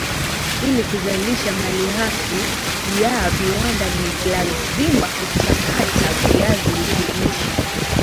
Ili Kuzalisha malighafi ya viwanda ni lazima kuchakata viazi lishe